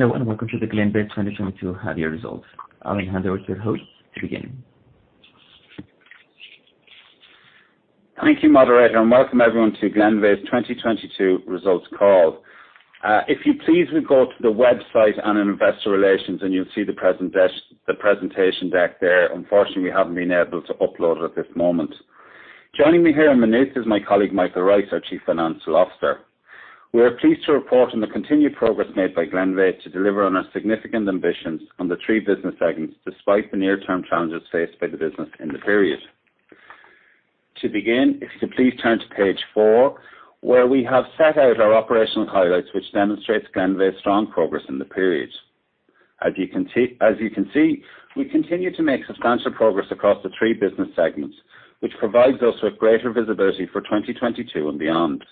Hello, and welcome to Glenveagh's 2022 half-year results. I'll hand over to your host to begin. Thank you, moderator, and welcome everyone to Glenveagh's 2022 results call. If you please would go to the website under investor relations and you'll see the presentation deck there. Unfortunately, we haven't been able to upload it at this moment. Joining me here in Maynooth is my colleague Michael Rice, our Chief Financial Officer. We are pleased to report on the continued progress made by Glenveagh to deliver on our significant ambitions on the three business segments, despite the near-term challenges faced by the business in the period. To begin, if you could please turn to page four, where we have set out our operational highlights, which demonstrates Glenveagh's strong progress in the period. As you can see, we continue to make substantial progress across the three business segments, which provides us with greater visibility for 2022 and beyond.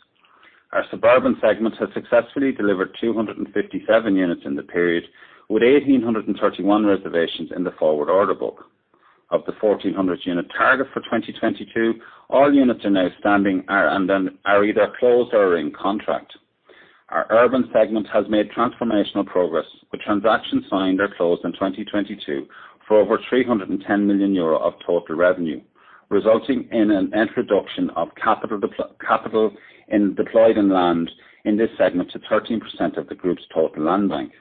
Our suburban segment has successfully delivered 257 units in the period, with 1,831 reservations in the forward order book. Of the 1,400 unit target for 2022, all units are now either closed or are in contract. Our urban segment has made transformational progress, with transactions signed or closed in 2022 for over 310 million euro of total revenue, resulting in an injection of capital deployed in land in this segment to 13% of the group's total land bank.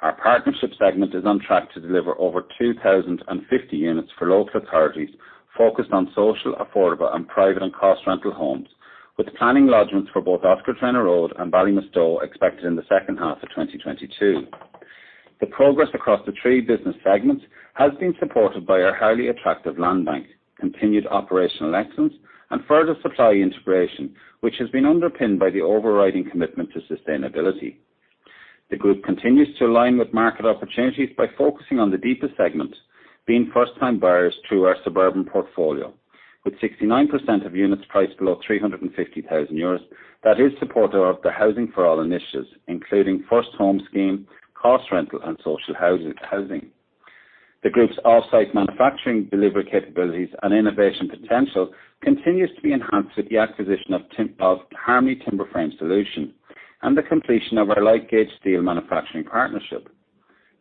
Our partnership segment is on track to deliver over 2,050 units for local authorities focused on social, affordable, and private and cost rental homes, with planning lodgments for both Oscar Traynor Road and Ballymastone expected in the second half of 2022. The progress across the three business segments has been supported by our highly attractive land bank, continued operational excellence, and further supply integration, which has been underpinned by the overriding commitment to sustainability. The group continues to align with market opportunities by focusing on the deeper segments, being first-time buyers through our suburban portfolio. With 69% of units priced below 350,000 euros, that is supportive of the Housing for All initiatives, including First Home Scheme, cost rental, and social housing. The group's off-site manufacturing delivery capabilities and innovation potential continues to be enhanced with the acquisition of Harmony Timber Solutions and the completion of our light-gauge steel manufacturing partnership.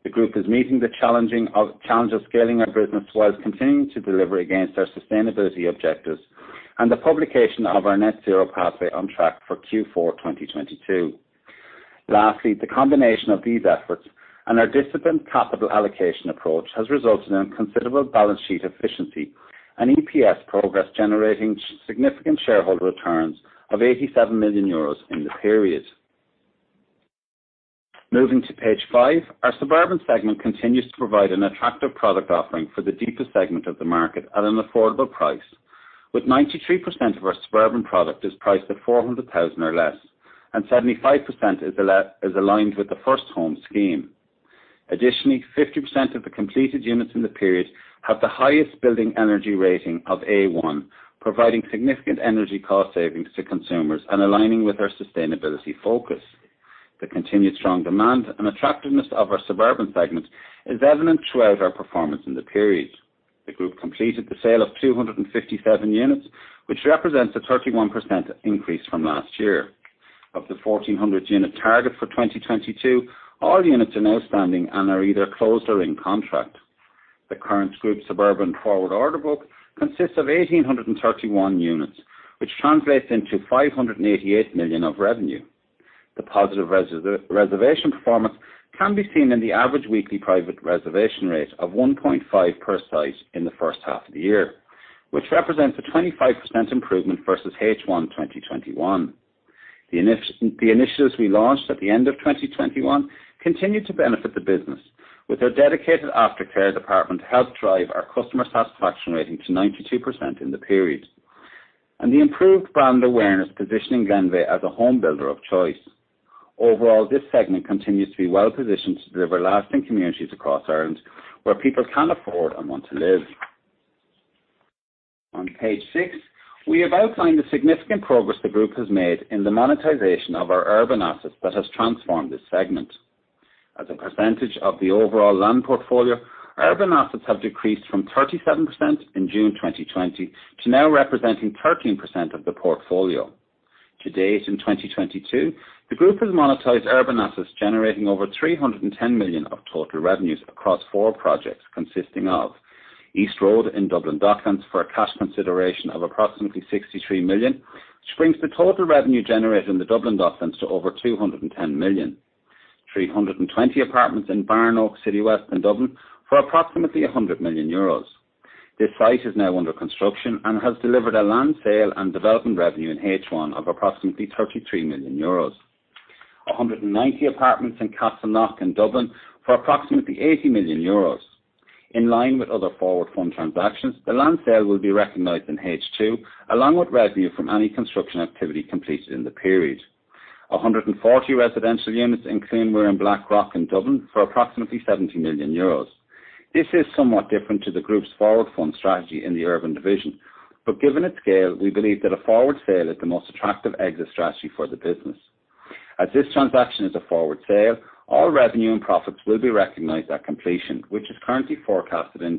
The group is meeting the challenge of scaling our business while continuing to deliver against our sustainability objectives and the publication of our net zero pathway on track for Q4 2022. Lastly, the combination of these efforts and our disciplined capital allocation approach has resulted in considerable balance sheet efficiency and EPS progress generating significant shareholder returns of 87 million euros in the period. Moving to page five, our suburban segment continues to provide an attractive product offering for the deeper segment of the market at an affordable price, with 93% of our suburban product is priced at 400,000 or less, and 75% is aligned with the First Home Scheme. Additionally, 50% of the completed units in the period have the highest building energy rating of A1, providing significant energy cost savings to consumers and aligning with our sustainability focus. The continued strong demand and attractiveness of our suburban segment is evident throughout our performance in the period. The group completed the sale of 257 units, which represents a 31% increase from last year. Of the 1,400 unit target for 2022, all units are now standing and are either closed or in contract. The current group suburban forward order book consists of 1,831 units, which translates into 588 million of revenue. The positive reservation performance can be seen in the average weekly private reservation rate of 1.5 per site in the first half of the year, which represents a 25% improvement versus H1 2021. The initiatives we launched at the end of 2021 continue to benefit the business, with our dedicated aftercare department help drive our customer satisfaction rating to 92% in the period. The improved brand awareness positioning Glenveagh as a home builder of choice. Overall, this segment continues to be well-positioned to deliver lasting communities across Ireland where people can afford and want to live. On page six, we have outlined the significant progress the group has made in the monetization of our urban assets that has transformed this segment. As a percentage of the overall land portfolio, urban assets have decreased from 37% in June 2020 to now representing 13% of the portfolio. To date in 2022, the group has monetized urban assets generating over 310 million of total revenues across four projects consisting of East Road in Dublin Docklands for a cash consideration of approximately 63 million, which brings the total revenue generated in the Dublin Docklands to over 210 million. 320 apartments in Barnoaks, Citywest in Dublin for approximately 100 million euros. This site is now under construction and has delivered a land sale and development revenue in H1 of approximately 33 million euros. 190 apartments in Castleknock in Dublin for approximately 80 million euros. In line with other forward fund transactions, the land sale will be recognized in H2, along with revenue from any construction activity completed in the period. 140 residential units in Cluain Mhuire and Blackrock in Dublin for approximately EUR 70 million. This is somewhat different to the group's forward fund strategy in the urban division, but given its scale, we believe that a forward sale is the most attractive exit strategy for the business. As this transaction is a forward sale, all revenue and profits will be recognized at completion, which is currently forecasted in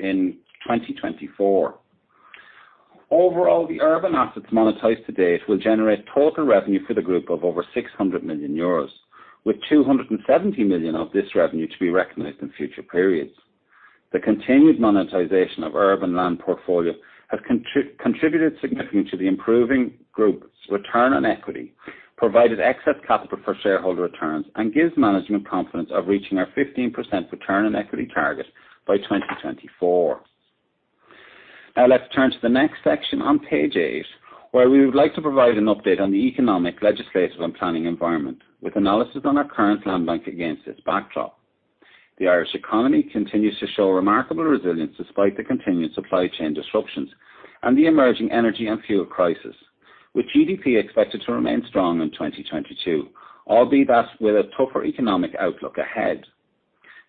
2024. Overall, the urban assets monetized to date will generate total revenue for the group of over 600 million euros, with 270 million of this revenue to be recognized in future periods. The continued monetization of urban land portfolio has contributed significantly to the improving group's return on equity, provided excess capital for shareholder returns, and gives management confidence of reaching our 15% return on equity target by 2024. Now let's turn to the next section on page eight, where we would like to provide an update on the economic, legislative, and planning environment, with analysis on our current land bank against this backdrop. The Irish economy continues to show remarkable resilience despite the continued supply chain disruptions and the emerging energy and fuel crisis, with GDP expected to remain strong in 2022, albeit that with a tougher economic outlook ahead.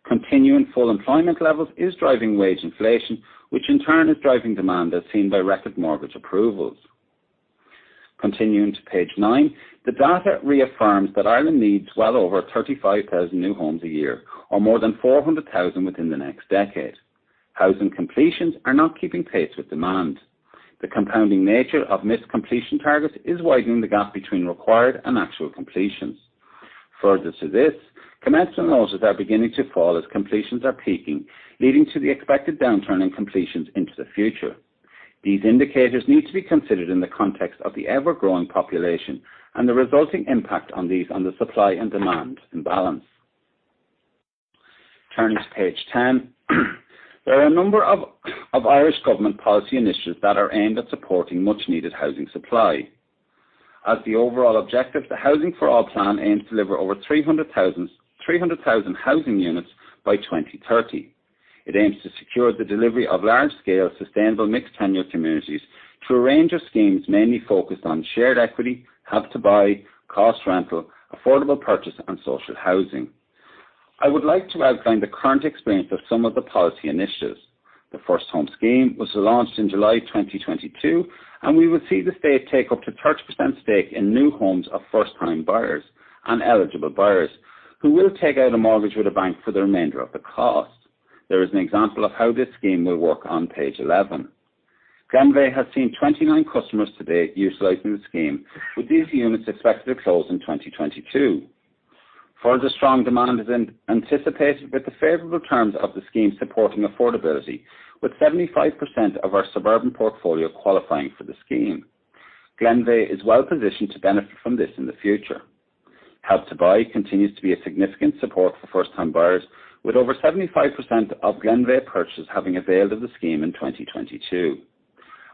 Continuing full employment levels is driving wage inflation, which in turn is driving demand as seen by record mortgage approvals. Continuing to page nine, the data reaffirms that Ireland needs well over 35,000 new homes a year, or more than 400,000 within the next decade. Housing completions are not keeping pace with demand. The compounding nature of missed completion targets is widening the gap between required and actual completions. Further to this, commencement notices are beginning to fall as completions are peaking, leading to the expected downturn in completions into the future. These indicators need to be considered in the context of the ever-growing population and the resulting impact of these on the supply and demand imbalance. Turning to page 10. There are a number of Irish government policy initiatives that are aimed at supporting much-needed housing supply. As the overall objective, the Housing for All plan aims to deliver over 300,000 housing units by 2030. It aims to secure the delivery of large-scale, sustainable mixed-tenure communities through a range of schemes mainly focused on shared equity, Help to Buy, cost rental, affordable purchase, and social housing. I would like to outline the current experience of some of the policy initiatives. The First Home Scheme was launched in July 2022, and we will see the state take up to 30% stake in new homes of first-time buyers and eligible buyers who will take out a mortgage with a bank for the remainder of the cost. There is an example of how this scheme will work on page 11. Glenveagh has seen 29 customers to date utilizing the scheme, with these units expected to close in 2022. Further strong demand is anticipated with the favorable terms of the scheme supporting affordability, with 75% of our suburban portfolio qualifying for the scheme. Glenveagh is well positioned to benefit from this in the future. Help to Buy continues to be a significant support for first-time buyers, with over 75% of Glenveagh purchases having availed of the scheme in 2022.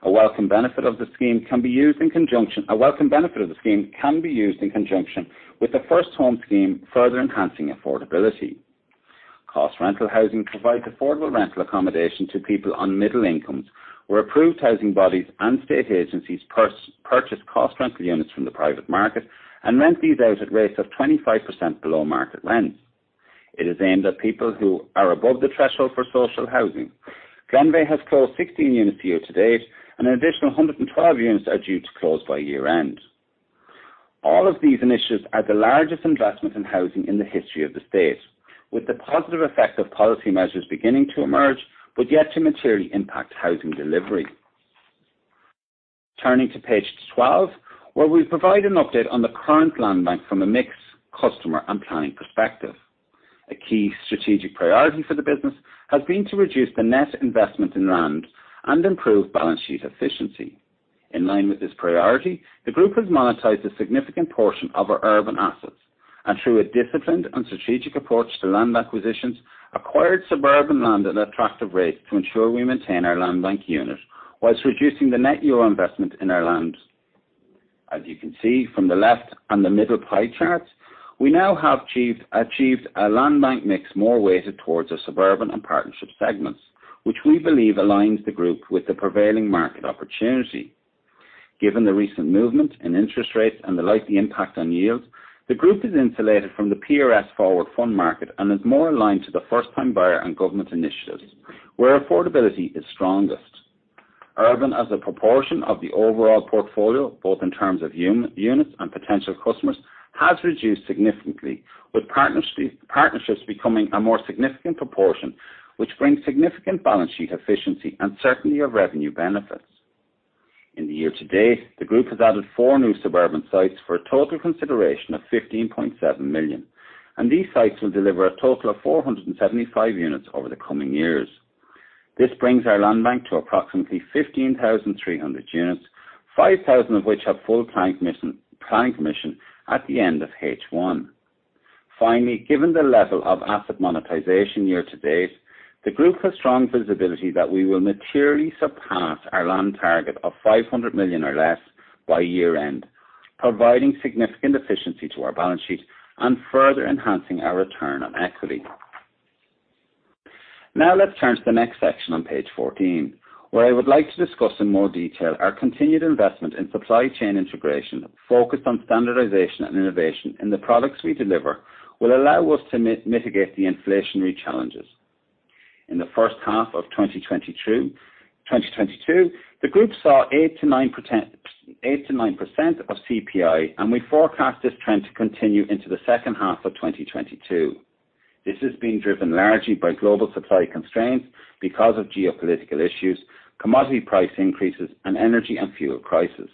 A welcome benefit of the scheme can be used in conjunction with the First Home Scheme, further enhancing affordability. Cost rental housing provides affordable rental accommodation to people on middle incomes, where Approved Housing Bodies and state agencies purchase cost rental units from the private market and rent these out at rates of 25% below market rent. It is aimed at people who are above the threshold for social housing. Glenveagh has closed 16 units year to date, and an additional 112 units are due to close by year-end. All of these initiatives are the largest investment in housing in the history of the state, with the positive effect of policy measures beginning to emerge, but yet to materially impact housing delivery. Turning to page 12, where we provide an update on the current land bank from a mix customer and planning perspective. A key strategic priority for the business has been to reduce the net investment in land and improve balance sheet efficiency. In line with this priority, the group has monetized a significant portion of our urban assets, and through a disciplined and strategic approach to land acquisitions, acquired suburban land at attractive rates to ensure we maintain our land bank unit while reducing the net EUR investment in our land. As you can see from the left and the middle pie charts, we now have achieved a land bank mix more weighted towards the suburban and partnership segments, which we believe aligns the group with the prevailing market opportunity. Given the recent movement in interest rates and the likely impact on yields, the group is insulated from the PRS forward fund market and is more aligned to the first-time buyer and government initiatives where affordability is strongest. Urban as a proportion of the overall portfolio, both in terms of units and potential customers, has reduced significantly with partnerships becoming a more significant proportion, which brings significant balance sheet efficiency and certainty of revenue benefits. In the year to date, the group has added four new suburban sites for a total consideration of 15.7 million, and these sites will deliver a total of 475 units over the coming years. This brings our land bank to approximately 15,300 units, 5,000 of which have full planning permission at the end of H1. Finally, given the level of asset monetization year to date, the group has strong visibility that we will materially surpass our land target of 500 million or less by year-end, providing significant efficiency to our balance sheet and further enhancing our return on equity. Now let's turn to the next section on page 14, where I would like to discuss in more detail our continued investment in supply chain integration, focused on standardization and innovation in the products we deliver, will allow us to mitigate the inflationary challenges. In the first half of 2022, the group saw 8%-9% of CPI, and we forecast this trend to continue into the second half of 2022. This has been driven largely by global supply constraints because of geopolitical issues, commodity price increases, and energy and fuel prices.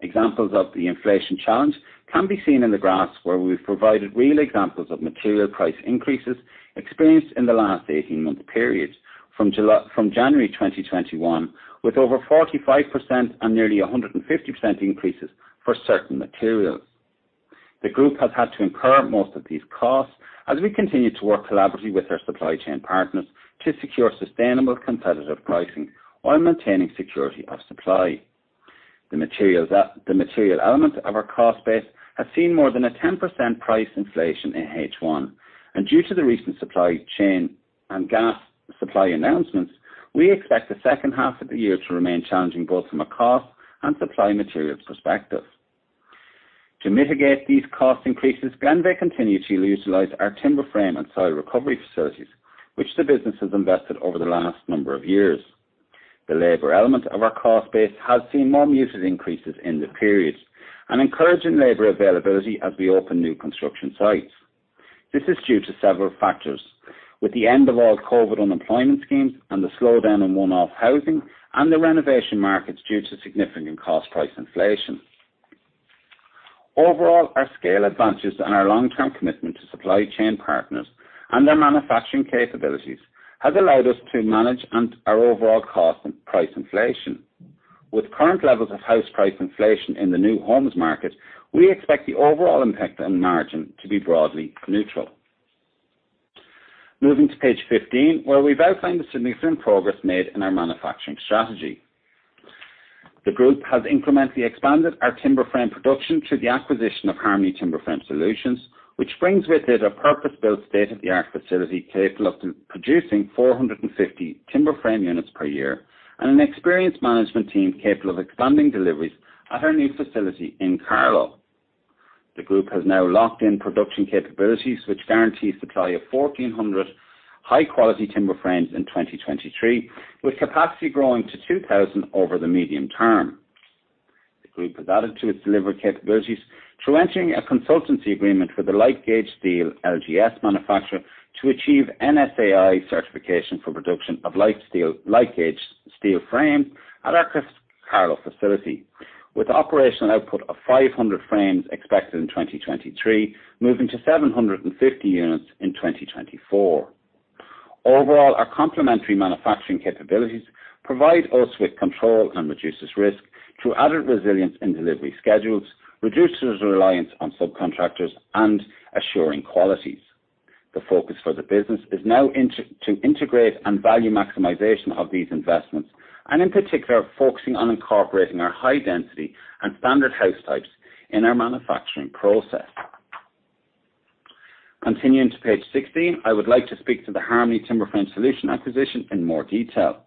Examples of the inflation challenge can be seen in the graphs where we've provided real examples of material price increases experienced in the last 18-month period from January 2021, with over 45% and nearly 150% increases for certain materials. The group has had to incur most of these costs as we continue to work collaboratively with our supply chain partners to secure sustainable competitive pricing while maintaining security of supply. The material element of our cost base has seen more than a 10% price inflation in H1. Due to the recent supply chain and gas supply announcements, we expect the second half of the year to remain challenging, both from a cost and supply materials perspective. To mitigate these cost increases, Glenveagh continue to utilize our timber frame and site recovery facilities, which the business has invested over the last number of years. The labor element of our cost base has seen more muted increases in the period, and encouraging labor availability as we open new construction sites. This is due to several factors. With the end of all COVID unemployment schemes and the slowdown in one-off housing and the renovation markets due to significant cost price inflation. Overall, our scale advantages and our long-term commitment to supply chain partners and their manufacturing capabilities has allowed us to manage our overall cost and price inflation. With current levels of house price inflation in the new homes market, we expect the overall impact on margin to be broadly neutral. Moving to page 15, where we've outlined the significant progress made in our manufacturing strategy. The group has incrementally expanded our timber frame production through the acquisition of Harmony Timber Solutions, which brings with it a purpose-built state-of-the-art facility capable of pro-producing 450 timber frame units per year and an experienced management team capable of expanding deliveries at our new facility in Carlow. The group has now locked in production capabilities, which guarantees supply of 1,400 high-quality timber frames in 2023, with capacity growing to 2,000 over the medium term. The group has added to its delivery capabilities through entering a consultancy agreement with a light-gauge steel LGS manufacturer to achieve NSAI certification for production of light-gauge steel frames at our Carlow facility, with operational output of 500 frames expected in 2023, moving to 750 units in 2024. Overall, our complementary manufacturing capabilities provide us with control and reduces risk through added resilience in delivery schedules, reduces reliance on subcontractors, and assuring qualities. The focus for the business is now to integrate and value maximization of these investments, and in particular, focusing on incorporating our high density and standard house types in our manufacturing process. Continuing to page 16, I would like to speak to the Harmony Timber Solutions acquisition in more detail.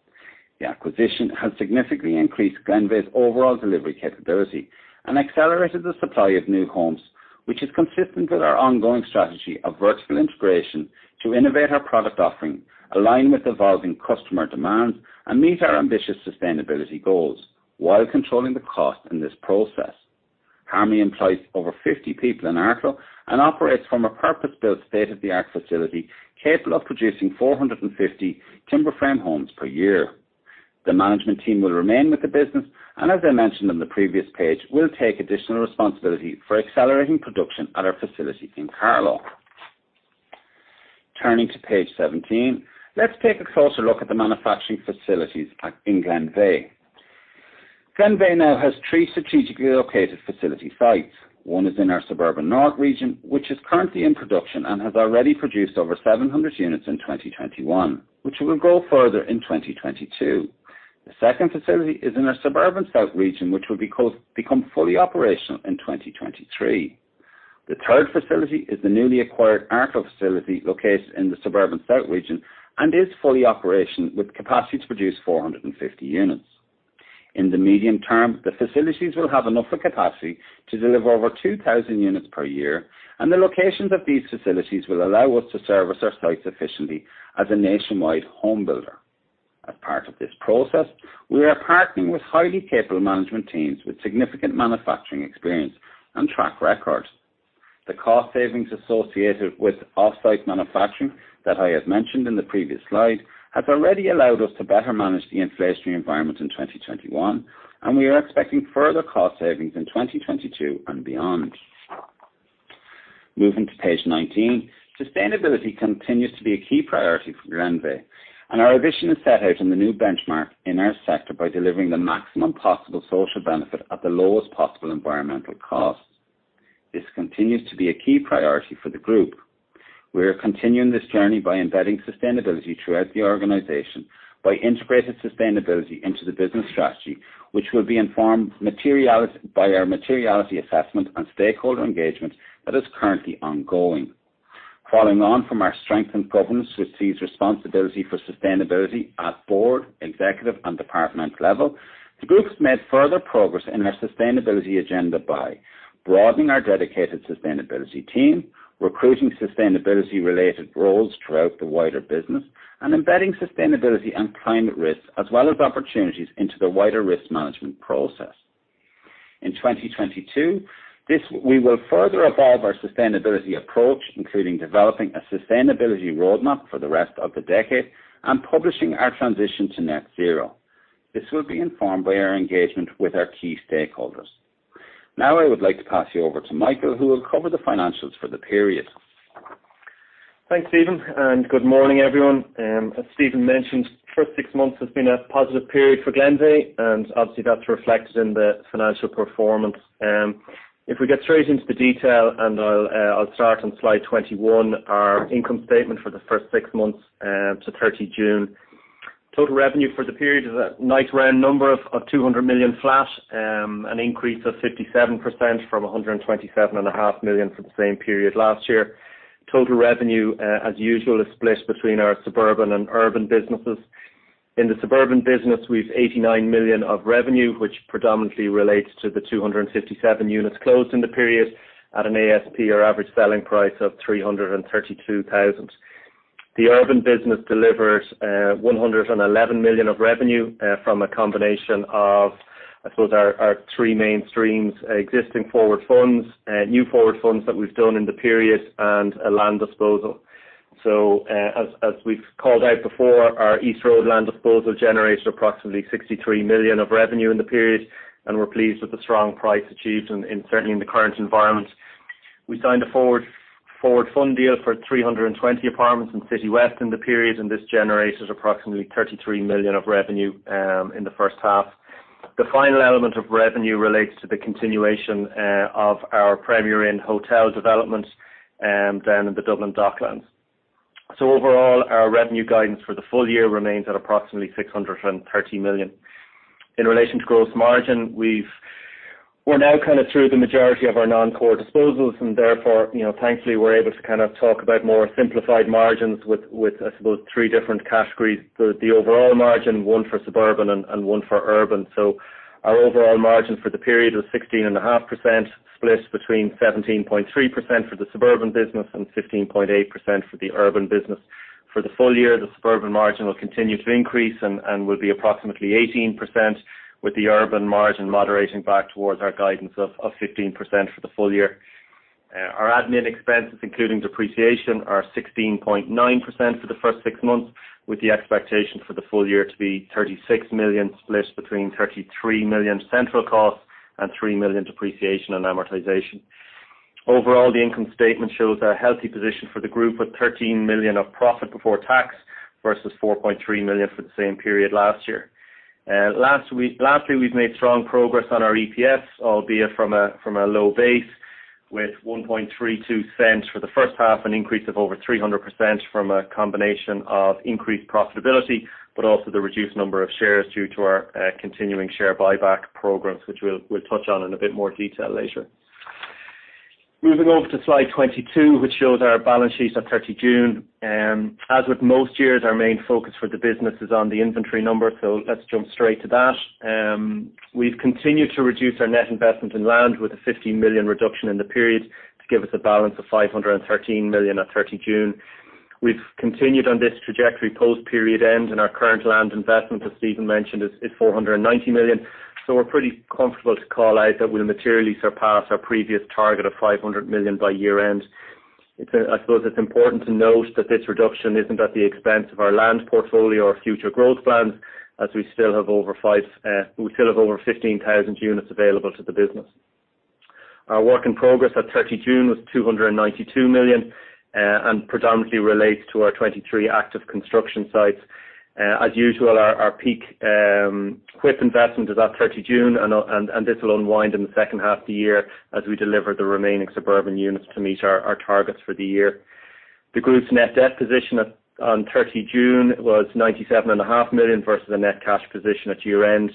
The acquisition has significantly increased Glenveagh's overall delivery capability and accelerated the supply of new homes, which is consistent with our ongoing strategy of vertical integration to innovate our product offering, align with evolving customer demands, and meet our ambitious sustainability goals while controlling the cost in this process. Harmony employs over 50 people in Carlow and operates from a purpose-built state-of-the-art facility capable of producing 450 timber frame homes per year. The management team will remain with the business, and as I mentioned on the previous page, will take additional responsibility for accelerating production at our facility in Carlow. Turning to page 17, let's take a closer look at the manufacturing facilities in Glenveagh. Glenveagh now has three strategically located facility sites. One is in our suburban north region, which is currently in production and has already produced over 700 units in 2021, which will grow further in 2022. The second facility is in our suburban south region, which will become fully operational in 2023. The third facility is the newly acquired Carlow facility located in the suburban south region and is fully operational, with capacity to produce 450 units. In the medium term, the facilities will have enough of capacity to deliver over 2,000 units per year, and the locations of these facilities will allow us to service our sites efficiently as a nationwide home builder. As part of this process, we are partnering with highly capable management teams with significant manufacturing experience and track record. The cost savings associated with off-site manufacturing that I had mentioned in the previous slide has already allowed us to better manage the inflationary environment in 2021, and we are expecting further cost savings in 2022 and beyond. Moving to page 19. Sustainability continues to be a key priority for Glenveagh, and our ambition is set out in the new benchmark in our sector by delivering the maximum possible social benefit at the lowest possible environmental cost. This continues to be a key priority for the group. We are continuing this journey by embedding sustainability throughout the organization, by integrating sustainability into the business strategy, which will be informed by our materiality assessment and stakeholder engagement that is currently ongoing. Following on from our strengthened governance, which sees responsibility for sustainability at board, executive and department level, the group has made further progress in our sustainability agenda by broadening our dedicated sustainability team, recruiting sustainability-related roles throughout the wider business, and embedding sustainability and climate risks as well as opportunities into the wider risk management process. In 2022, we will further evolve our sustainability approach, including developing a sustainability roadmap for the rest of the decade and publishing our transition to net zero. This will be informed by our engagement with our key stakeholders. Now I would like to pass you over to Michael, who will cover the financials for the period. Thanks, Stephen, and good morning, everyone. As Stephen mentioned, first six months has been a positive period for Glenveagh, and obviously, that's reflected in the financial performance. If we get straight into the detail, I'll start on slide 21, our income statement for the first six months as to 30 June. Total revenue for the period is a nice round number of 200 million flat, an increase of 57% from 127.5 million for the same period last year. Total revenue, as usual, is split between our suburban and urban businesses. In the suburban business, we've 89 million of revenue, which predominantly relates to the 257 units closed in the period at an ASP or average selling price of 332,000. The urban business delivered 111 million of revenue from a combination of, I suppose, our three main streams, existing forward funds, new forward funds that we've done in the period, and a land disposal. As we've called out before, our East Road land disposal generated approximately 63 million of revenue in the period, and we're pleased with the strong price achieved, certainly, in the current environment. We signed a forward fund deal for 320 apartments in Citywest in the period, and this generated approximately 33 million of revenue in the first half. The final element of revenue relates to the continuation of our Premier Inn hotel development down in the Dublin Docklands. Overall, our revenue guidance for the full year remains at approximately 630 million. In relation to gross margin, we're now kind of through the majority of our non-core disposals, and therefore, you know, thankfully, we're able to kind of talk about more simplified margins with, I suppose, three different categories. The overall margin, one for suburban and one for urban. Our overall margin for the period was 16.5%, split between 17.3% for the suburban business and 15.8% for the urban business. For the full year, the suburban margin will continue to increase and will be approximately 18% with the urban margin moderating back towards our guidance of 15% for the full year. Our admin expenses, including depreciation, are 16.9% for the first six months, with the expectation for the full year to be 36 million, split between 33 million central costs and 3 million depreciation and amortization. Overall, the income statement shows a healthy position for the group, with 13 million of profit before tax versus 4.3 million for the same period last year. Last year, we've made strong progress on our EPS, albeit from a low base with 1.32 cents for the first half, an increase of over 300% from a combination of increased profitability, but also the reduced number of shares due to our continuing share buyback programs, which we'll touch on in a bit more detail later. Moving over to slide 22, which shows our balance sheet at 30 June. As with most years, our main focus for the business is on the inventory number, so let's jump straight to that. We've continued to reduce our net investment in land with a 50 million reduction in the period to give us a balance of 513 million at 30 June. We've continued on this trajectory post period end, and our current land investment, as Stephen mentioned, is 490 million. We're pretty comfortable to call out that we'll materially surpass our previous target of 500 million by year end. It's, I suppose it's important to note that this reduction isn't at the expense of our land portfolio or future growth plans, as we still have over 15,000 units available to the business. Our work in progress at 30 June was 292 million and predominantly relates to our 23 active construction sites. As usual, our peak WIP investment is at 30 June, and this will unwind in the second half the year as we deliver the remaining suburban units to meet our targets for the year. The group's net debt position at 30 June was 97.5 million versus the net cash position at year end.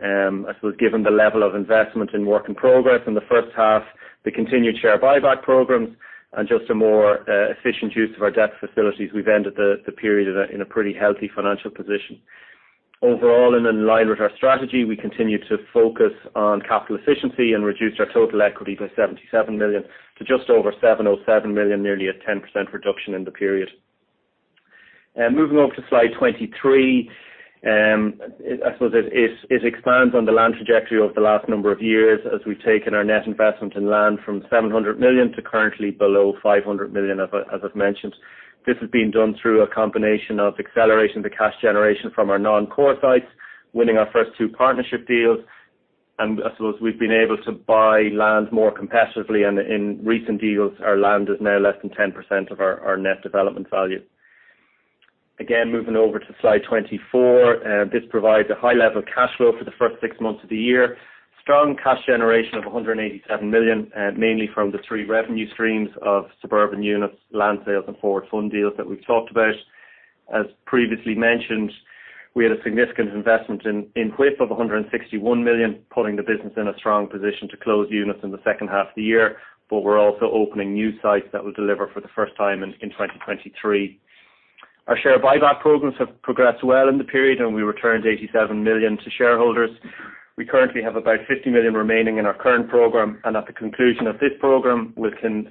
I suppose given the level of investment in work in progress in the first half, the continued share buyback programs, and just a more efficient use of our debt facilities, we've ended the period in a pretty healthy financial position. Overall, in line with our strategy, we continue to focus on capital efficiency and reduced our total equity by 77 million to just over 707 million, nearly a 10% reduction in the period. Moving over to slide 23, it, I suppose, expands on the land trajectory over the last number of years as we've taken our net investment in land from 700 million to currently below 500 million, as I've mentioned. This has been done through a combination of accelerating the cash generation from our non-core sites, winning our first two partnership deals, and I suppose we've been able to buy land more competitively. In recent deals, our land is now less than 10% of our net development value. Again, moving over to slide 24, this provides a high level cash flow for the first six months of the year. Strong cash generation of 187 million, mainly from the three revenue streams of suburban units, land sales, and forward fund deals that we've talked about. As previously mentioned, we had a significant investment in WIP of 161 million, putting the business in a strong position to close units in the second half of the year, but we're also opening new sites that will deliver for the first time in 2023. Our share buyback programs have progressed well in the period, and we returned 87 million to shareholders. We currently have about 50 million remaining in our current program, and at the conclusion of this program, we can,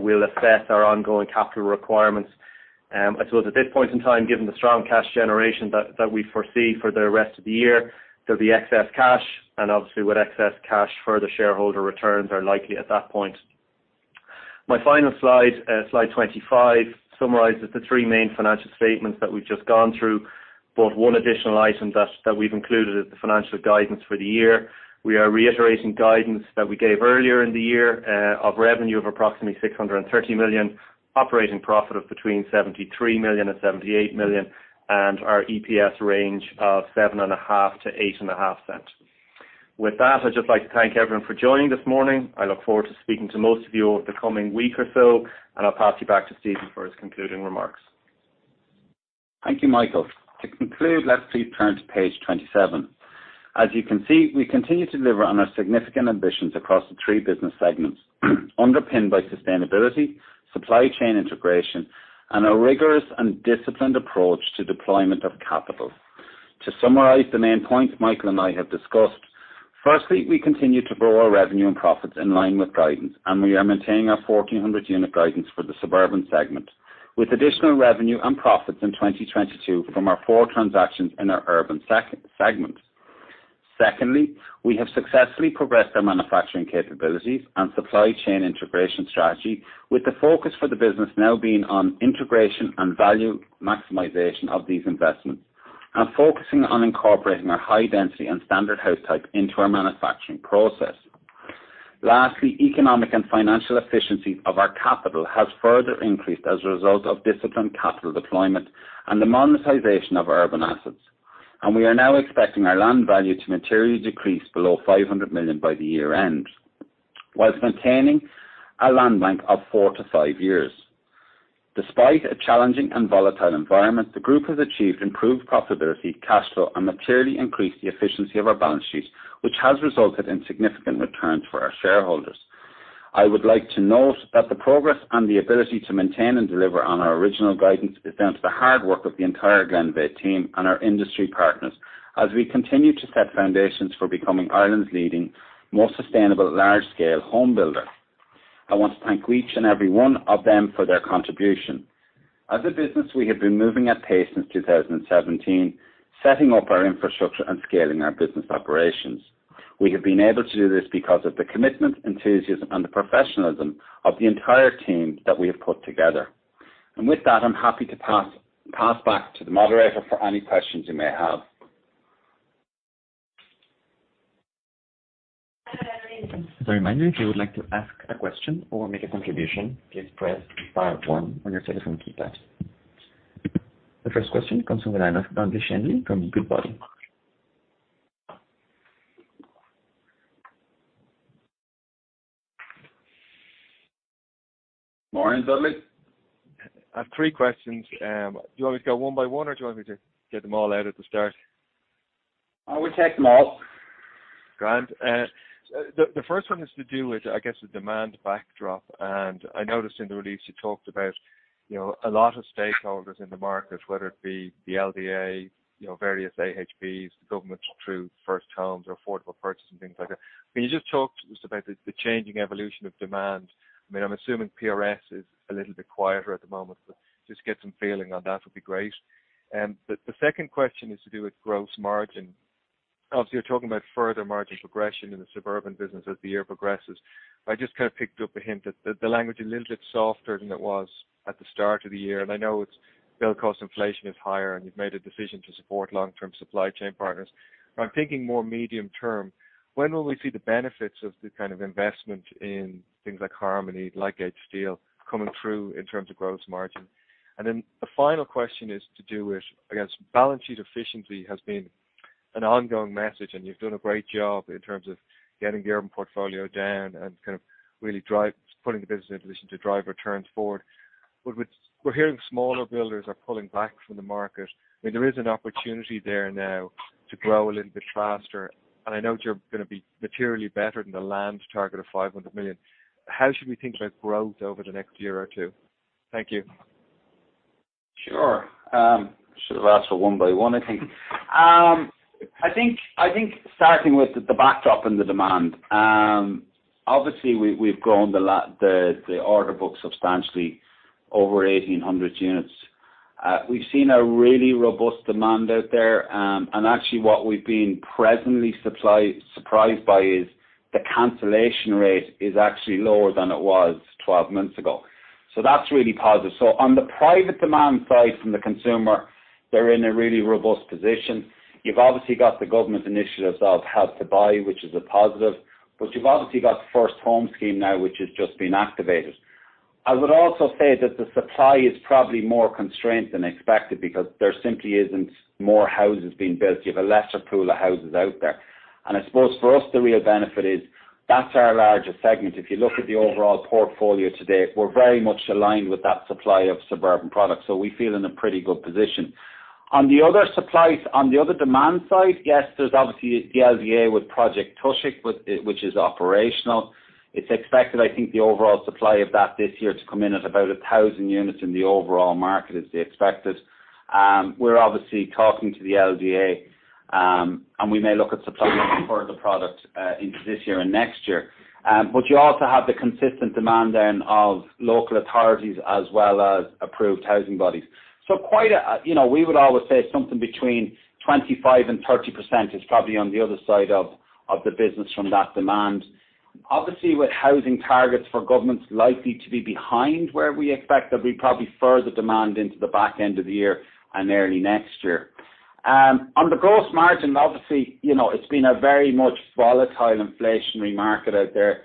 we'll assess our ongoing capital requirements. I suppose at this point in time, given the strong cash generation that we foresee for the rest of the year, there'll be excess cash and obviously with excess cash further shareholder returns are likely at that point. My final slide 25, summarizes the three main financial statements that we've just gone through. One additional item that we've included is the financial guidance for the year. We are reiterating guidance that we gave earlier in the year, of revenue of approximately 630 million, operating profit of between 73 million and 78 million, and our EPS range of 0.075-0.085. With that, I'd just like to thank everyone for joining this morning. I look forward to speaking to most of you over the coming week or so, and I'll pass you back to Stephen for his concluding remarks. Thank you, Michael. To conclude, let's please turn to page 27. As you can see, we continue to deliver on our significant ambitions across the three business segments, underpinned by sustainability, supply chain integration, and a rigorous and disciplined approach to deployment of capital. To summarize the main points Michael and I have discussed. Firstly, we continue to grow our revenue and profits in line with guidance, and we are maintaining our 1,400 unit guidance for the suburban segment, with additional revenue and profits in 2022 from our four transactions in our urban segment. Secondly, we have successfully progressed our manufacturing capabilities and supply chain integration strategy, with the focus for the business now being on integration and value maximization of these investments, and focusing on incorporating our high density and standard house type into our manufacturing process. Lastly, economic and financial efficiency of our capital has further increased as a result of disciplined capital deployment and the monetization of urban assets. We are now expecting our land value to materially decrease below 500 million by the year end, while maintaining a land bank of four-five years. Despite a challenging and volatile environment, the group has achieved improved profitability, cash flow, and materially increased the efficiency of our balance sheet, which has resulted in significant returns for our shareholders. I would like to note that the progress and the ability to maintain and deliver on our original guidance is down to the hard work of the entire Glenveagh team and our industry partners as we continue to set foundations for becoming Ireland's leading, more sustainable large scale home builder. I want to thank each and every one of them for their contribution. As a business, we have been moving at pace since 2017, setting up our infrastructure and scaling our business operations. We have been able to do this because of the commitment, enthusiasm, and the professionalism of the entire team that we have put together. With that, I'm happy to pass back to the moderator for any questions you may have. As a reminder, if you would like to ask a question or make a contribution, please press pound one on your telephone keypad. The first question comes from the line of Dudley Shanley from Goodbody. Morning, Dudley. I have three questions. Do you want me to go one by one or do you want me to get them all out at the start? I would take them all. Grand. The first one has to do with, I guess, the demand backdrop. I noticed in the release you talked about, you know, a lot of stakeholders in the market, whether it be the LDA, you know, various AHBs, the government through first homes or affordable purchase and things like that. Can you just talk to us about the changing evolution of demand? I mean, I'm assuming PRS is a little bit quieter at the moment, but just get some feeling on that would be great. The second question is to do with gross margin. Obviously, you're talking about further margin progression in the suburban business as the year progresses. I just kind of picked up a hint that the language a little bit softer than it was at the start of the year. I know it's build cost inflation is higher, and you've made a decision to support long-term supply chain partners. I'm thinking more medium term, when will we see the benefits of the kind of investment in things like Harmony, like LGS steel coming through in terms of gross margin? The final question is to do with, I guess, balance sheet efficiency has been an ongoing message, and you've done a great job in terms of getting the urban portfolio down and kind of putting the business in a position to drive returns forward. We're hearing smaller builders are pulling back from the market, I mean there is an opportunity there now to grow a little bit faster, and I know you're gonna be materially better than the land target of 500 million. How should we think about growth over the next year or two? Thank you. Sure. Should've asked for one by one, I think. I think starting with the backdrop and the demand, obviously we've grown the order book substantially over 1,800 units. We've seen a really robust demand out there. Actually what we've been pleasantly surprised that the cancellation rate is actually lower than it was 12 months ago. That's really positive. On the private demand side from the consumer, they're in a really robust position. You've obviously got the government initiatives of Help to Buy, which is a positive, but you've obviously got the First Home Scheme now, which has just been activated. I would also say that the supply is probably more constrained than expected because there simply isn't more houses being built. You have a lesser pool of houses out there. I suppose for us, the real benefit is that's our largest segment. If you look at the overall portfolio today, we're very much aligned with that supply of suburban products. We feel in a pretty good position. On the other supplies, on the other demand side, yes, there's obviously the LDA with Project Tosaigh, which is operational. It's expected, I think, the overall supply of that this year to come in at about 1,000 units in the overall market is the expected. We're obviously talking to the LDA, and we may look at supplying further product into this year and next year. You also have the consistent demand then of local authorities as well as approved housing bodies. You know, we would always say something between 25% and 30% is probably on the other side of the business from that demand. Obviously, with housing targets for governments likely to be behind where we expect, there'll be probably further demand into the back end of the year and early next year. On the gross margin, obviously, you know, it's been a very much volatile inflationary market out there.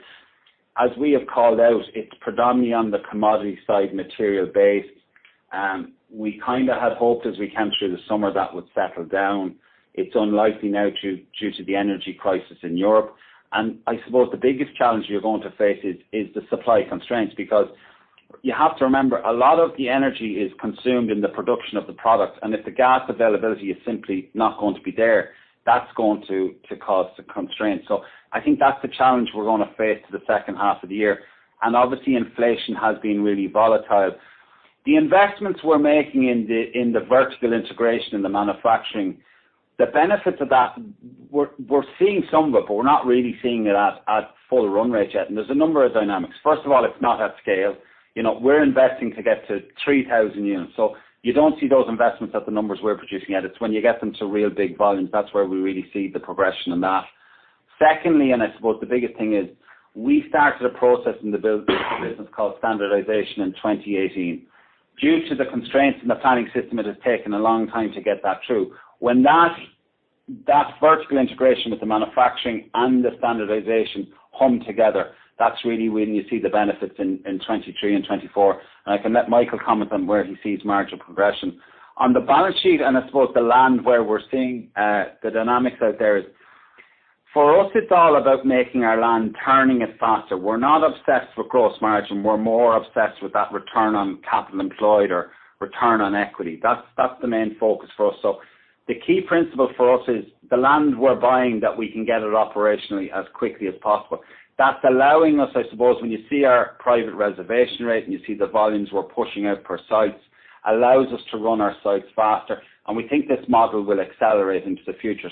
As we have called out, it's predominantly on the commodity side, material base. We kind of had hoped as we came through the summer that would settle down. It's unlikely now due to the energy crisis in Europe. I suppose the biggest challenge you're going to face is the supply constraints because you have to remember, a lot of the energy is consumed in the production of the product, and if the gas availability is simply not going to be there, that's going to cause the constraints. I think that's the challenge we're gonna face for the second half of the year. Obviously, inflation has been really volatile. The investments we're making in the vertical integration and the manufacturing, the benefits of that we're seeing some of it, but we're not really seeing it at full run rate yet. There's a number of dynamics. First of all, it's not at scale. You know, we're investing to get to 3,000 units. You don't see those investments at the numbers we're producing at. It's when you get them to real big volumes, that's where we really see the progression in that. Secondly, I suppose the biggest thing is we started a process in the build business called standardization in 2018. Due to the constraints in the planning system, it has taken a long time to get that through. When that vertical integration with the manufacturing and the standardization hum together, that's really when you see the benefits in 2023 and 2024. I can let Michael comment on where he sees margin progression. On the balance sheet, I suppose the land where we're seeing the dynamics out there is for us it's all about making our land, turning it faster. We're not obsessed with gross margin. We're more obsessed with that return on capital employed or return on equity. That's the main focus for us. The key principle for us is the land we're buying that we can get it operationally as quickly as possible. That's allowing us, I suppose, when you see our private reservation rate and you see the volumes we're pushing out per sites, allows us to run our sites faster, and we think this model will accelerate into the future.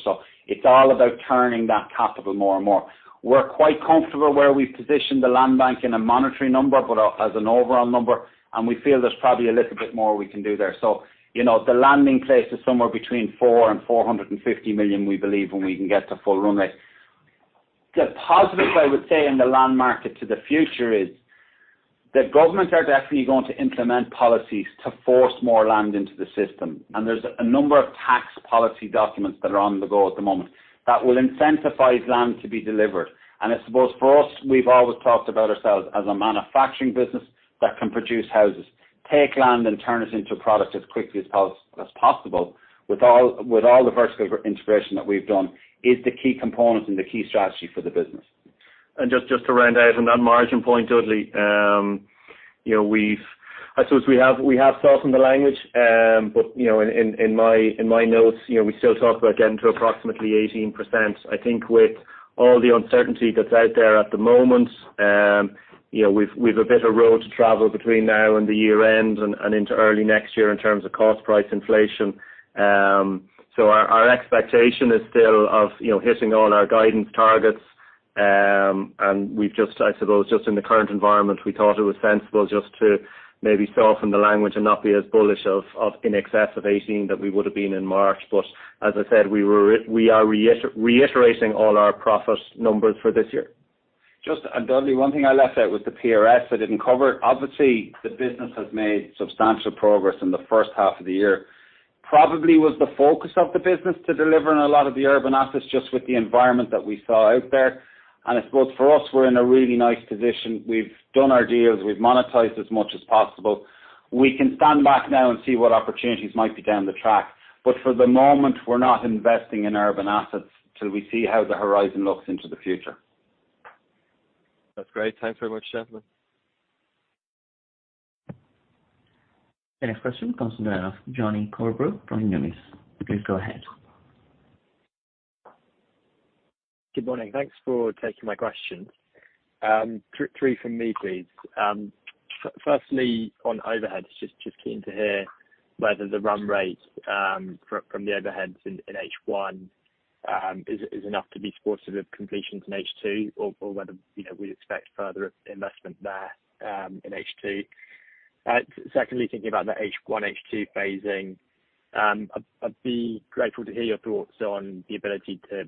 It's all about turning that capital more and more. We're quite comfortable where we've positioned the land bank in a monetary number, but as an overall number, and we feel there's probably a little bit more we can do there. You know, the landing place is somewhere between 400 million and 450 million, we believe when we can get to full run rate. The positives I would say in the land market to the future is the governments are definitely going to implement policies to force more land into the system, and there's a number of tax policy documents that are on the go at the moment that will incentivize land to be delivered. I suppose for us, we've always talked about ourselves as a manufacturing business that can produce houses, take land, and turn it into a product as quickly as possible with all the vertical integration that we've done, is the key component and the key strategy for the business. Just to round out on that margin point, Donnchadh Shenley, you know, we've I suppose we have softened the language. But, you know, in my notes, you know, we still talk about getting to approximately 18%. I think with all the uncertainty that's out there at the moment, you know, we've a bit of road to travel between now and the year end and into early next year in terms of cost price inflation. So our expectation is still of, you know, hitting all our guidance targets. And we've just, I suppose, just in the current environment, we thought it was sensible just to maybe soften the language and not be as bullish of in excess of 18% that we would have been in March. As I said, we are reiterating all our profit numbers for this year. Just, Dudley, one thing I left out was the PRS I didn't cover. Obviously, the business has made substantial progress in the first half of the year. Probably was the focus of the business to deliver on a lot of the urban assets just with the environment that we saw out there. I suppose for us, we're in a really nice position. We've done our deals. We've monetized as much as possible. We can stand back now and see what opportunities might be down the track. For the moment, we're not investing in urban assets till we see how the horizon looks into the future. That's great. Thanks very much, gentlemen. The next question comes from Jonny Coubrough of Numis. Please go ahead. Good morning. Thanks for taking my questions. Three from me, please. Firstly, on overheads, just keen to hear whether the run rate from the overheads in H1 is enough to be supportive of completions in H2 or whether, you know, we'd expect further investment there in H2. Secondly, thinking about the H1, H2 phasing, I'd be grateful to hear your thoughts on the ability to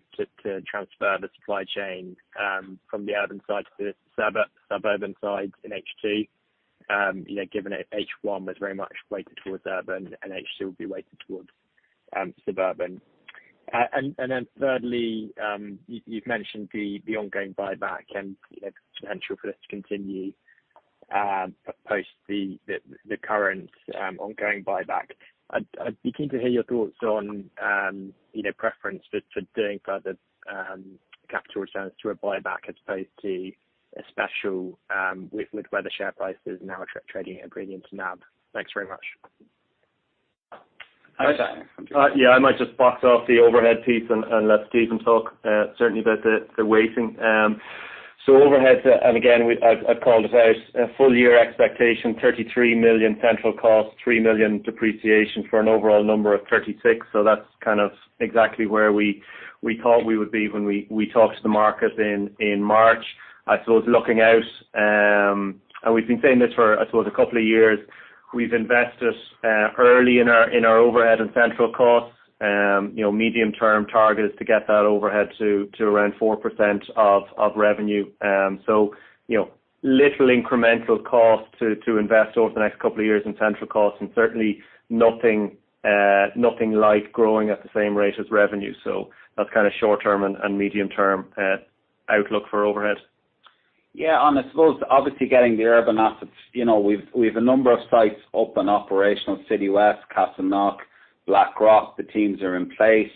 transfer the supply chain from the urban side to the suburban side in H2. You know, given H1 was very much weighted towards urban and H2 will be weighted towards suburban. Thirdly, you've mentioned the ongoing buyback and, you know, potential for this to continue post the current ongoing buyback. I'd be keen to hear your thoughts on, you know, preference for doing further capital returns through a buyback as opposed to a special with whether share prices now are trading at premium to NAV. Thanks very much. Yeah, I might just box off the overhead piece and let Stephen talk certainly about the weighting. Overheads, and again, I've called it out, a full year expectation, 33 million central cost, 3 million depreciation for an overall number of 36 million. That's kind of exactly where we thought we would be when we talked to the market in March. I suppose looking out, and we've been saying this for, I suppose a couple of years, we've invested early in our overhead and central costs. You know, medium-term target is to get that overhead to around 4% of revenue. You know, little incremental cost to invest over the next couple of years in central costs and certainly nothing like growing at the same rate as revenue. That's kind of short-term and medium-term outlook for overhead. Yeah, I suppose obviously getting the urban assets, you know, we've a number of sites up and operational. Citywest, Castleknock, Blackrock, the teams are in place.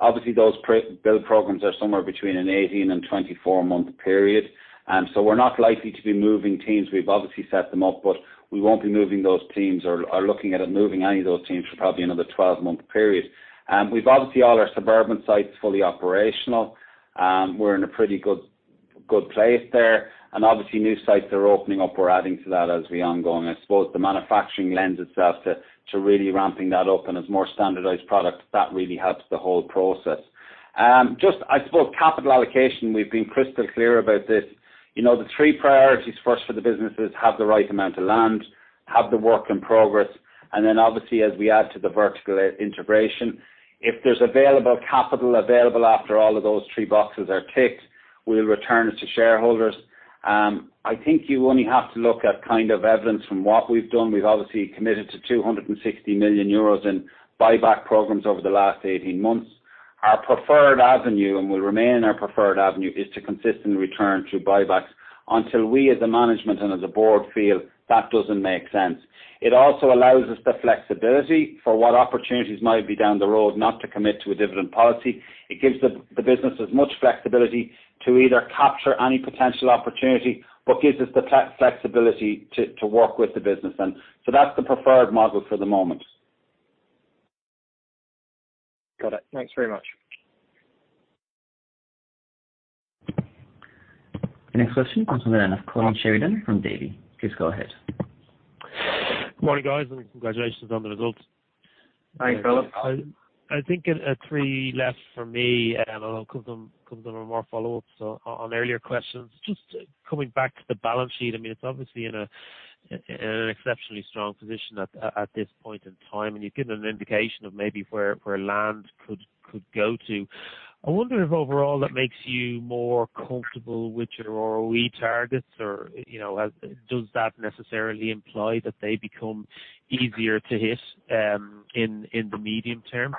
Obviously those pre-build programs are somewhere between an 18- and 24-month period. We're not likely to be moving teams. We've obviously set them up, but we won't be moving those teams or looking at moving any of those teams for probably another 12-month period. We've obviously all our suburban sites fully operational. We're in a pretty good place there, and obviously new sites are opening up. We're adding to that as we go on. I suppose the manufacturing lends itself to really ramping that up and as more standardized products, that really helps the whole process. Just, I suppose, capital allocation, we've been crystal clear about this. You know, the three priorities first for the businesses, have the right amount of land, have the work in progress, and then obviously as we add to the vertical integration, if there's available capital available after all of those three boxes are ticked, we'll return it to shareholders. I think you only have to look at kind of evidence from what we've done. We've obviously committed to 260 million euros in buyback programs over the last 18 months. Our preferred avenue, and will remain our preferred avenue, is to consistently return through buybacks until we, as a management and as a board feel that doesn't make sense. It also allows us the flexibility for what opportunities might be down the road, not to commit to a dividend policy. It gives the business as much flexibility to either capture any potential opportunity, but gives us the flexibility to work with the business then. That's the preferred model for the moment. Got it. Thanks very much. The next question comes in from Colin Sheridan from Davy. Please go ahead. Morning, guys, and congratulations on the results. Thanks, Colin. I think that's three left for me, and I'll come to more follow-ups on earlier questions. Just coming back to the balance sheet, I mean, it's obviously in an exceptionally strong position at this point in time, and you've given an indication of maybe where land could go to. I wonder if overall that makes you more comfortable with your ROE targets or, you know, does that necessarily imply that they become easier to hit in the medium term?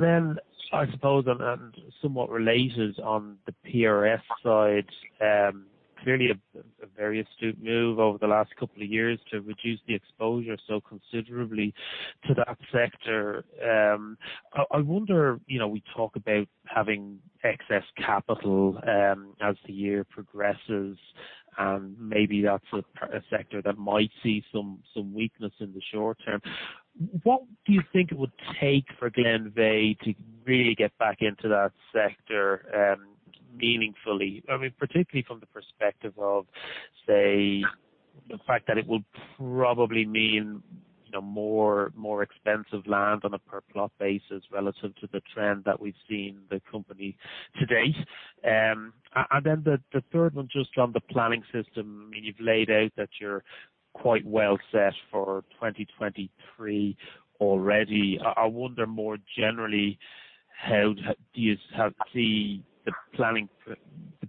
Then I suppose on somewhat related on the PRS side, clearly a very astute move over the last couple of years to reduce the exposure so considerably to that sector. I wonder, you know, we talk about having excess capital, as the year progresses, and maybe that's a sector that might see some weakness in the short term. What do you think it would take for Glenveagh to really get back into that sector, meaningfully? I mean, particularly from the perspective of, say, the fact that it will probably mean, you know, more expensive land on a per plot basis relative to the trend that we've seen the company to date. The third one, just on the planning system, I mean, you've laid out that you're quite well set for 2023 already. I wonder more generally, how do you see the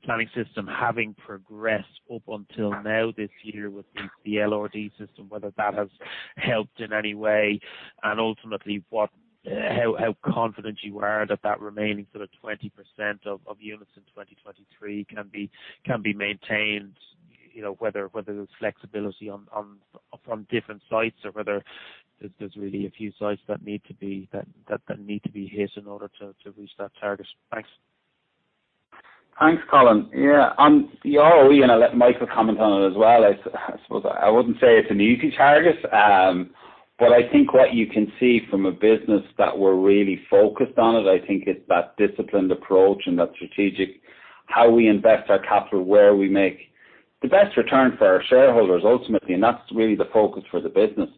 planning system having progressed up until now this year with the LRD system, whether that has helped in any way, and ultimately, how confident you are that that remaining sort of 20% of units in 2023 can be maintained, you know, whether there's flexibility on from different sites or whether there's really a few sites that need to be hit in order to reach that target. Thanks. Thanks, Colin. Yeah, on the ROE, and I'll let Michael comment on it as well. I suppose I wouldn't say it's an easy target, but I think what you can see from a business that we're really focused on it. I think it's that disciplined approach and that strategic, how we invest our capital, where we make the best return for our shareholders ultimately, and that's really the focus for the business.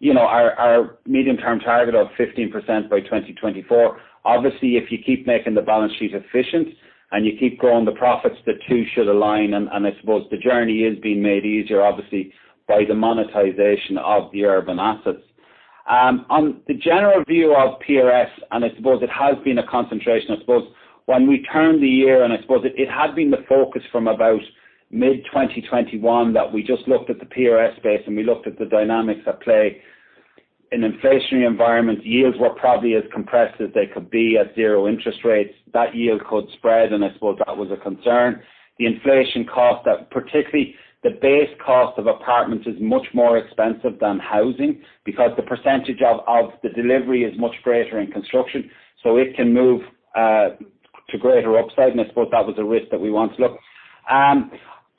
You know, our medium-term target of 15% by 2024, obviously, if you keep making the balance sheet efficient and you keep growing the profits, the two should align. I suppose the journey is being made easier, obviously, by the monetization of the urban assets. On the general view of PRS, I suppose it has been a concentration. I suppose when we turned the year, I suppose it had been the focus from about mid-2021 that we just looked at the PRS space and we looked at the dynamics at play. In inflationary environments, yields were probably as compressed as they could be at zero interest rates. That yield could spread, and I suppose that was a concern. The inflation cost that particularly the base cost of apartments is much more expensive than housing because the percentage of the delivery is much greater in construction, so it can move to greater upside, and I suppose that was a risk that we want to look.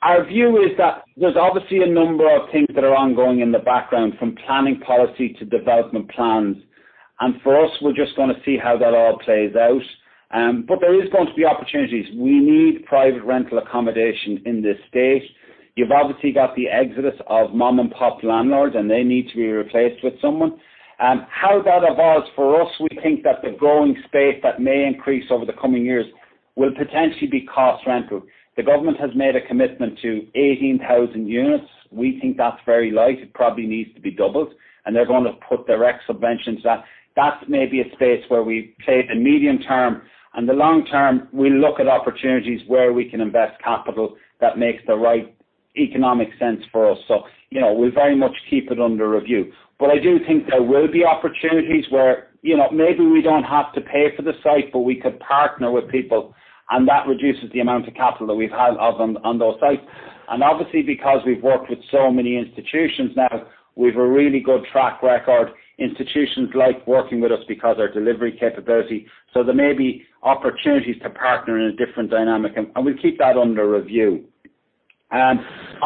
Our view is that there's obviously a number of things that are ongoing in the background from planning policy to development plans. For us, we're just gonna see how that all plays out. But there is going to be opportunities. We need private rental accommodation in this state. You've obviously got the exodus of mom-and-pop landlords, and they need to be replaced with someone. How that evolves for us, we think that the growing space that may increase over the coming years will potentially be cost rental. The government has made a commitment to 18,000 units. We think that's very light. It probably needs to be doubled, and they're gonna put direct subventions. That's maybe a space where we play the medium term, and the long term, we look at opportunities where we can invest capital that makes the right economic sense for us. You know, we very much keep it under review. I do think there will be opportunities where, you know, maybe we don't have to pay for the site, but we could partner with people, and that reduces the amount of capital that we've had of them on those sites. Obviously because we've worked with so many institutions now, we've a really good track record. Institutions like working with us because our delivery capability. There may be opportunities to partner in a different dynamic, and we'll keep that under review. On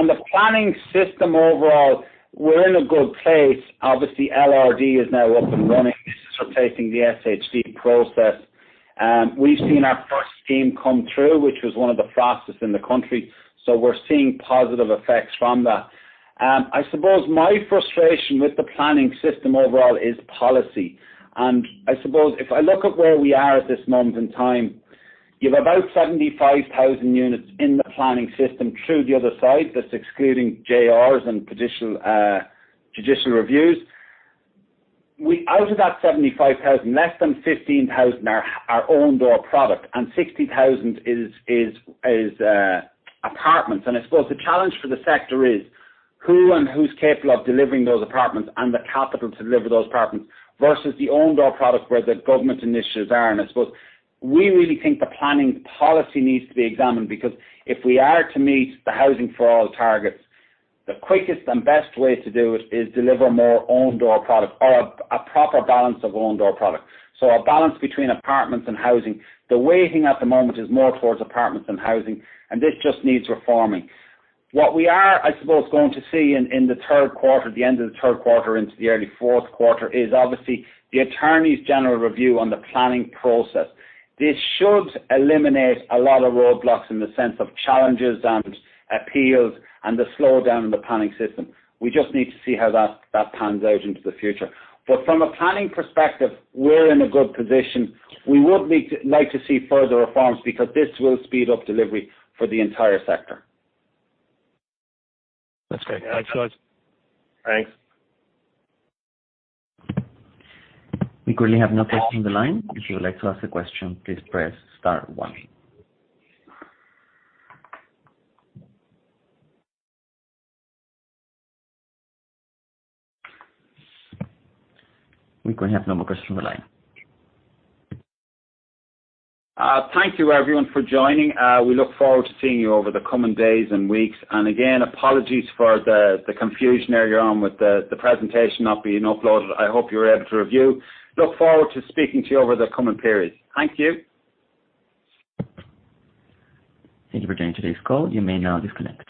the planning system overall, we're in a good place. Obviously, LRD is now up and running. This is replacing the SHD process. We've seen our first scheme come through, which was one of the fastest in the country. So we're seeing positive effects from that. I suppose my frustration with the planning system overall is policy. I suppose if I look at where we are at this moment in time, you've about 75,000 units in the planning system through the other side, that's excluding JRs and judicial reviews. Out of that 75,000, less than 15,000 are own-door product, and 60,000 is apartments. I suppose the challenge for the sector is who and who's capable of delivering those apartments and the capital to deliver those apartments versus the own-door product where the government initiatives are. I suppose we really think the planning policy needs to be examined because if we are to meet the Housing for All targets, the quickest and best way to do it is deliver more own-door product or a proper balance of own-door product. A balance between apartments and housing. The waiting at the moment is more towards apartments than housing, and this just needs reforming. What we are, I suppose, going to see in the third quarter, the end of the third quarter into the early fourth quarter, is obviously the Attorney General's review on the planning process. This should eliminate a lot of roadblocks in the sense of challenges and appeals and the slowdown in the planning system. We just need to see how that pans out into the future. From a planning perspective, we're in a good position. We would like to see further reforms because this will speed up delivery for the entire sector. That's great. Thanks, guys. Thanks. We currently have no questions on the line. If you would like to ask a question, please press star one. We currently have no more questions on the line. Thank you everyone for joining. We look forward to seeing you over the coming days and weeks. Again, apologies for the confusion earlier on with the presentation not being uploaded. I hope you were able to review. Look forward to speaking to you over the coming period. Thank you. Thank you for joining today's call. You may now disconnect.